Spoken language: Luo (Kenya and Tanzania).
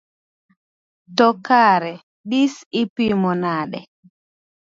To kare dis ipimo nade?